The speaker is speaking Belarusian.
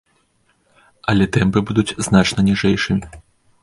Але тэмпы будуць значна ніжэйшымі.